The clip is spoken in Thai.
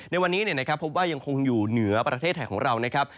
ในวันนี้นะครับพบว่ายังคงอยู่เหนือประเทศไทยของเรานะครับ